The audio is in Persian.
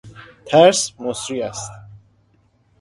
ترس مسری است.